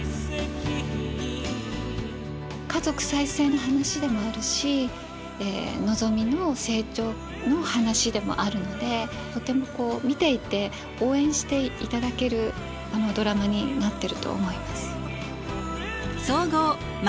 家族再生の話でもあるしのぞみの成長の話でもあるのでとてもこう見ていて応援していただけるドラマになってると思います。